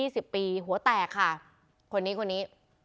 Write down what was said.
โชว์มือ